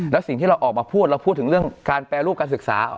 แล้วสิ่งที่เราออกมาพูดเราพูดถึงเรื่องการแปรรูปการศึกษา